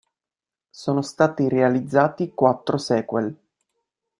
Sono stati realizzati quattro sequel.